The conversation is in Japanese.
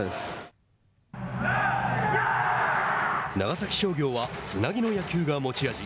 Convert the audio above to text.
長崎商業はつなぎの野球が持ち味。